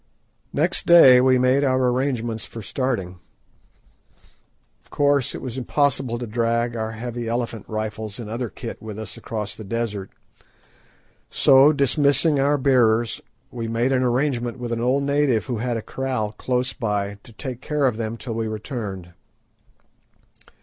Next day we made our arrangements for starting. Of course it was impossible to drag our heavy elephant rifles and other kit with us across the desert, so, dismissing our bearers, we made an arrangement with an old native who had a kraal close by to take care of them till we returned.